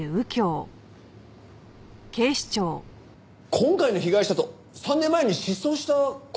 今回の被害者と３年前に失踪した婚約者が！？